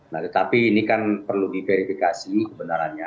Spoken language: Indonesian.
nah tetapi ini kan perlu diverifikasi kebenarannya